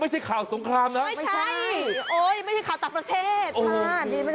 ไม่ใช่ข่าวสงครามนะไม่ใช่ไม่ใช่ข่าวต่างประเทศ